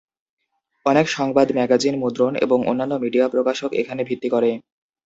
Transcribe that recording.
অনেক সংবাদ, ম্যাগাজিন, মুদ্রণ এবং অন্যান্য মিডিয়া প্রকাশক এখানে ভিত্তি করে।